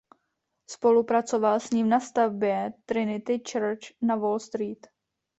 Spolupracoval s ním na stavbě Trinity Church na Wall Street.